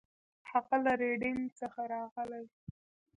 هغه له ریډینګ څخه راغلی و.